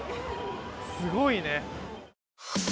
すごいね。